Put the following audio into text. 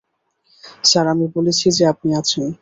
Sir, আমি বলেছি যে আপনি আছেন।